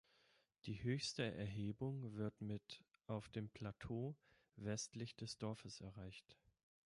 Die höchste Erhebung wird mit auf dem Plateau westlich des Dorfes erreicht.